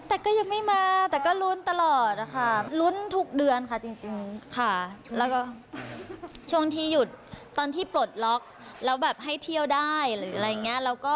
แต่ก็ยังไม่มาแต่ก็ลุ้นตลอดค่ะลุ้นทุกเดือนค่ะจริงค่ะแล้วก็ช่วงที่หยุดตอนที่ปลดล็อกแล้วแบบให้เที่ยวได้หรืออะไรอย่างนี้